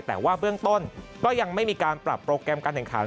แต่ว่าเบื้องต้นก็ยังไม่มีการปรับโปรแกรมการแข่งขัน